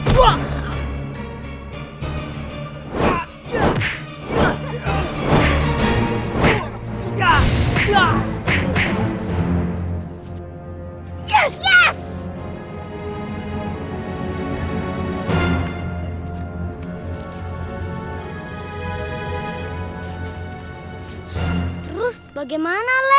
terus bagaimana lek